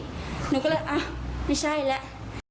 หนูก็เลยอ้าวไม่ใช่แล้ว